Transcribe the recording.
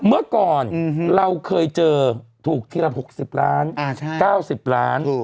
เมื่อก่อนเราเคยเจอถูกทีละ๖๐ล้าน๙๐ล้าน